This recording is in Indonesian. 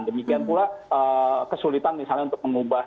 demikian pula kesulitan misalnya untuk mengubah